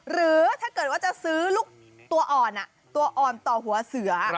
หรือถ้าเกิดว่าจะซื้อลูกตัวอ่อนตัวอ่อนต่อหัวเสือ